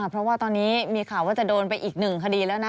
เพราะว่าตอนนี้มีข่าวว่าจะโดนไปอีกหนึ่งคดีแล้วนะ